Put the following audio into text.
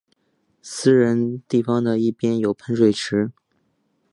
私人地方的一边有喷水池。